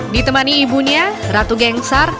ditemani ibunya ratu gengsar